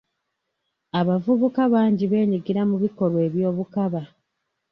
Abavubuka bangi beenyigira mu bikolwa eby'obukaba.